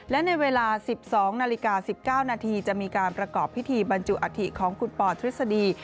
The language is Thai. และในเวลา๑๒นาฬิกา๑๙นาทีจะมีการประกอบพิธีบรรจุอัฐิของคุณปอทฤษฎี